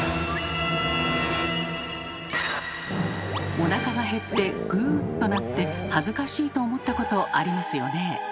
おなかが減って「ぐ」と鳴って恥ずかしいと思ったことありますよね。